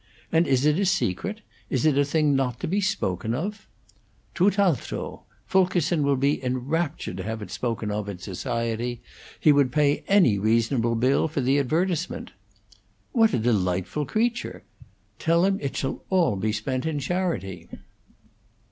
"And is it a secret? Is it a thing not to be spoken of?" "'Tutt' altro'! Fulkerson will be enraptured to have it spoken of in society. He would pay any reasonable bill for the advertisement." "What a delightful creature! Tell him it shall all be spent in charity."